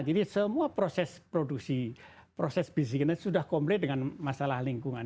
jadi semua proses produksi proses bisnis kita sudah komplain dengan masalah lingkungan